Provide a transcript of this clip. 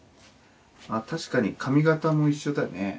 あ確かに髪形も一緒だね。